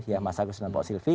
ya mas agus dan pak silvi